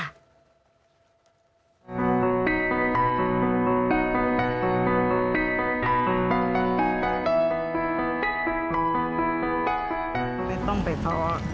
ไม่ต้องไปท้อ